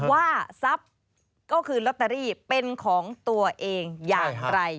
ว่าทรัพย์ก็คือลอตเตอรี่เป็นของตัวเองอย่างไร